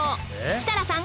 設楽さん